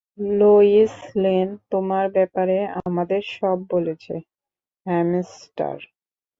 Lois Lane তোমার ব্যাপারে আমাদের সব বলেছে, হ্যামস্টার।